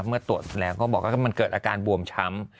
เมื่อตรวจแล้วก็บอกว่ามันเกิดอาการบวมช้ำ